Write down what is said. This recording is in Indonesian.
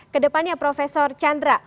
ke depannya prof chandra